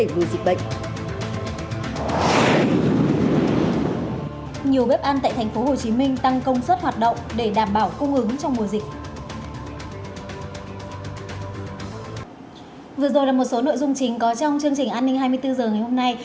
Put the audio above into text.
vừa rồi là một số nội dung chính có trong chương trình an ninh hai mươi bốn h ngày hôm nay